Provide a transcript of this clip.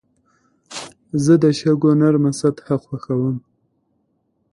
زه د شګو نرمه سطحه خوښوم.